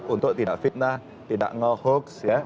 untuk tidak fitnah tidak ngehooks